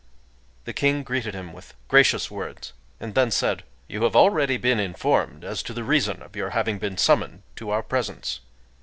The king greeted him with gracious words, and then said:— "You have already been informed as to the reason of your having been summoned to Our presence.